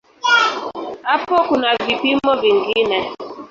Hapo kuna vipimo vingine.